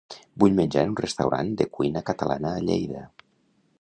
Vull menjar en un restaurant de cuina catalana a Lleida.